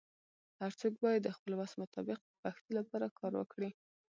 هرڅوک باید د خپل وس مطابق د پښتو لپاره کار وکړي.